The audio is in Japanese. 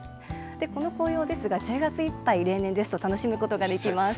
この紅葉ですが、１０月いっぱい、例年ですと、楽しむことができます。